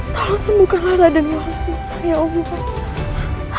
tolong sembuhkanlah raden yang susah ya allah